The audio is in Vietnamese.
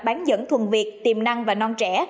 bán dẫn thuần việt tiềm năng và non trẻ